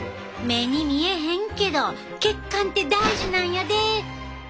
目に見えへんけど血管って大事なんやで。